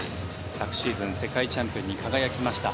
昨シーズン世界チャンピオンに輝きました。